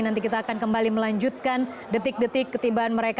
nanti kita akan kembali melanjutkan detik detik ketibaan mereka